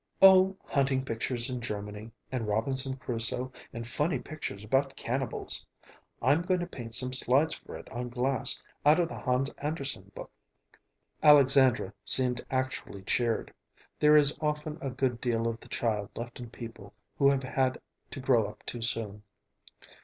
"Oh, hunting pictures in Germany, and Robinson Crusoe and funny pictures about cannibals. I'm going to paint some slides for it on glass, out of the Hans Andersen book." Alexandra seemed actually cheered. There is often a good deal of the child left in people who have had to grow up too soon.